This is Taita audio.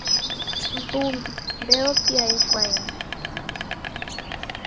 Vumbi, Mbeo pia yekwaeni.